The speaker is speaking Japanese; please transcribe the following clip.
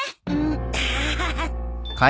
アハハハ。